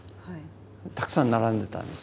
たくさん並んでたんです。